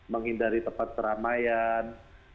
menghindari tempat keramaian